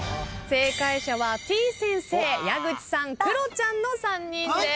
正解者はてぃ先生矢口さんクロちゃんの３人です。